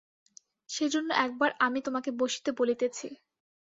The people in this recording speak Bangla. সেইজন্য একবার আমি তোমাকে বসিতে বলিতেছি।